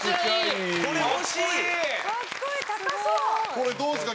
これどうですか？